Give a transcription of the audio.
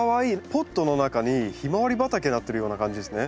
ポットの中にヒマワリ畑になっているような感じですね。